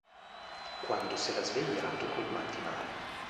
Quando s'era svegliato col mal di mare.